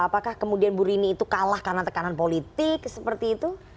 apakah kemudian bu rini itu kalah karena tekanan politik seperti itu